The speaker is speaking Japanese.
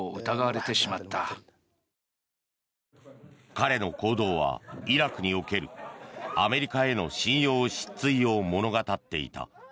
彼の行動は、イラクにおけるアメリカへの信用失墜を物語っていた。